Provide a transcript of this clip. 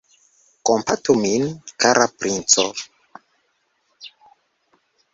Kompatu min, kara princo!